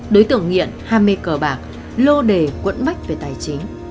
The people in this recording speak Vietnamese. đối tượng nghiện ham mê cờ bạc lô đề quẫn bách về tài chính